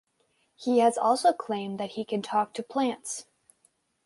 He has also claimed that he can talk to plants.